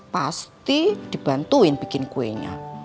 pasti dibantuin bikin kuenya